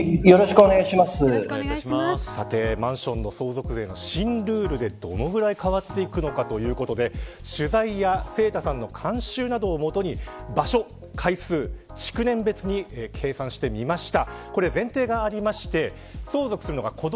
さて、マンションの相続税の新ルールでどのぐらい変わっていくのかということで取材や清田さんの監修をもとに場所、階数、築年別に計算してみました。